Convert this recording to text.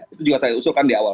itu juga saya usulkan di awal